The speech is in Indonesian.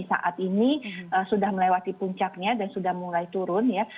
saat ini sudah melewati puncaknya dan sudah mulai turun ya